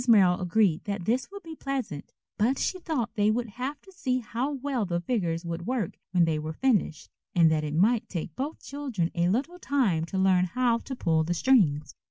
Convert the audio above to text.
Merrill agreed that this would be pleasant, but she thought they would have to see how well the figures would work when they were finished, and that it might take both children a little time to learn how to pull the strings.